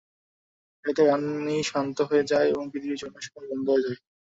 এতে পানি শান্ত হয়ে যায় ও পৃথিবীর ঝরনাসমূহ বন্ধ হয়ে যায়।